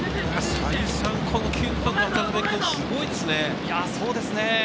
再三、この渡辺君、すごいですね。